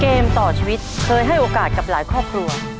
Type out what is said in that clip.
เกมต่อชีวิตเคยให้โอกาสกับหลายครอบครัว